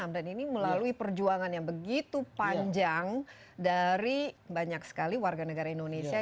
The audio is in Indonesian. dan ini melalui perjuangan yang begitu panjang dari banyak sekali warga negara indonesia